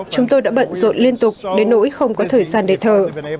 chúng tôi đã bận rộn liên tục đến nỗi không có thời gian để thở